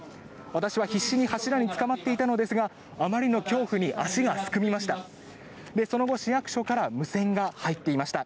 私は必死に柱につかまっていたのですがあまりの恐怖に足がすくみました。